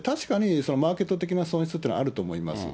確かにそれはマーケット的な損失というのはあると思います。